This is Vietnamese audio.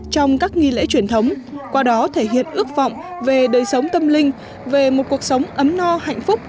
trong các nghi lễ truyền thống qua đó thể hiện ước vọng về đời sống tâm linh về một cuộc sống ấm no hạnh phúc